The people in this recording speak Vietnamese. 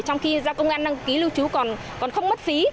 trong khi do công an đăng ký lưu trú còn không mất phí